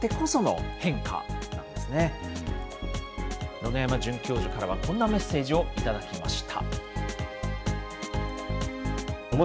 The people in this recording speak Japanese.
野々山准教授からは、こんなメッセージをいただきました。